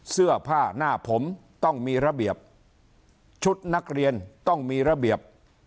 เสื้อผ้าหน้าผมต้องมีระเบียบชุดนักเรียนต้องมีระเบียบ